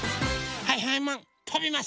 はいはいマンとびます！